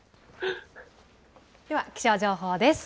では気象情報です。